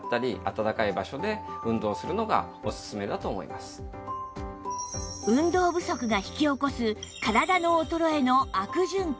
運動不足が引き起こす体の衰えの悪循環